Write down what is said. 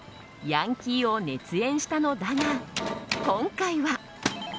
ヤンキーを熱演したのだが今回は。